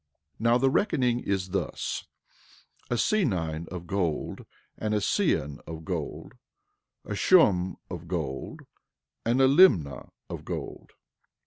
11:5 Now the reckoning is thus—a senine of gold, a seon of gold, a shum of gold, and a limnah of gold.